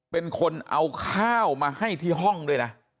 เป็นคนเอาข้าวมาให้ที่ห้องด้วยนะ